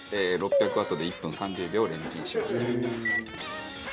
ワットで１分３０秒レンチンしますと。